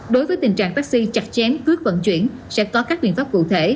đối với tình trạng taxi chặt chém cướp vận chuyển sẽ có các biện pháp cụ thể